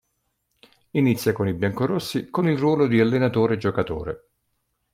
Inizia con i biancorossi con il ruolo di allenatore-giocatore.